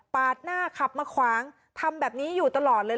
หน้าขับมาขวางทำแบบนี้อยู่ตลอดเลย